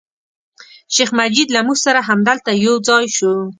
شیخ مجید له موږ سره همدلته یو ځای شو.